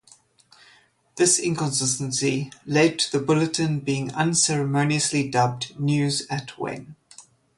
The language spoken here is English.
This inconsistency led to the bulletin being unceremoniously dubbed News at When?